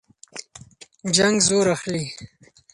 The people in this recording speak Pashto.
جنګ زور اخلي.